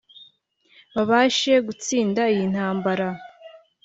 babashe gutsinda iyi ntambara